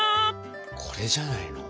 これじゃないの？